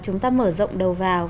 chúng ta mở rộng đầu vào